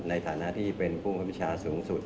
ในฐานะที่เป็นผู้บังคับวิชาสูงสุด